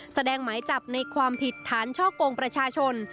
หมายจับในความผิดฐานช่อกงประชาชน